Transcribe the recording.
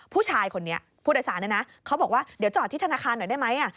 ผู้ชายคนนี้ผู้โดยสารเนี่ยนะเขาบอกว่าเดี๋ยวจอดที่ธนาคารหน่อยได้ไหม